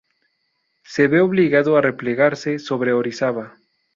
Se ve obligado a replegarse sobre Orizaba.